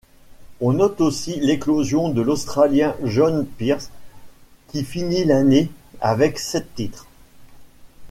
On note aussi l'éclosion de l'Australien John Peers qui finit l'année avec sept titres.